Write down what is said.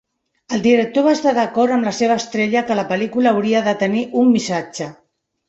El director va estar d'acord amb la seva estrella que la pel·lícula hauria de tenir un missatge.